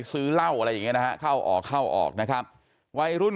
ออกไปซื้อเล่าอะไรเงี้ยนะครับเข้าออกเข้าออกนะครับวัยรุ่น